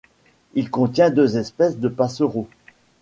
Il contient deux espèces de passereaux.